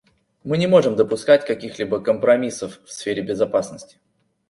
Мы не можем допускать каких-либо компромиссов в сфере безопасности.